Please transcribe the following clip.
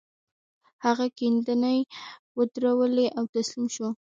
هغه کيندنې ودرولې او تسليم شو.